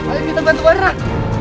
ayo kita bantu warah